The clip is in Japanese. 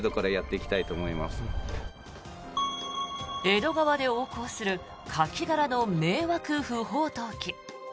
江戸川で横行するカキ殻の迷惑不法投棄。